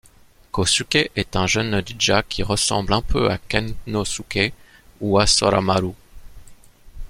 Kosuke est un jeune ninja qui ressemble un peu à Kennosuké ou à Soramaru.